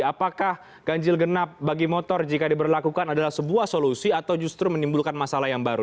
apakah ganjil genap bagi motor jika diberlakukan adalah sebuah solusi atau justru menimbulkan masalah yang baru